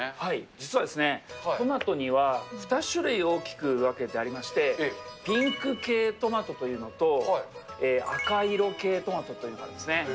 実はですね、トマトには２種類大きく分けてありまして、ピンク系トマトというのと、赤色系トマトというかですね。